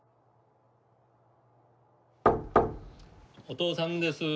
・・お父さんです。